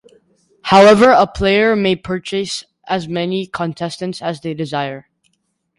However, a player may purchase as many contestants as they desire.